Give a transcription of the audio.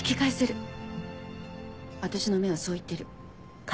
私の目はそう言ってる。